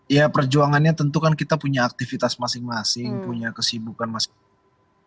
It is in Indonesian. ya perjuangannya tentu kan kita punya aktivitas masing masing punya kesibukan masing masing